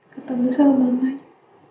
ketemu sama mamanya